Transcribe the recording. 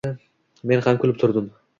Men ham kulib turdim.